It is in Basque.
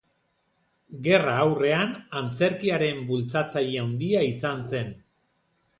Gerra aurrean, antzerkiaren bultzatzaile handia izan zen.